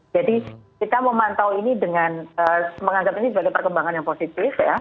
jadi kita memantau ini dengan menganggap ini sebagai perkembangan yang positif ya